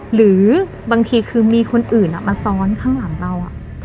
หรือบางทีคือมีคนอื่นมาซ้อนข้างหลังเรา